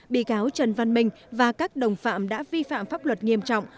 bị cáo trần văn minh và các đồng phạm đã vi phạm pháp luật nghiêm trọng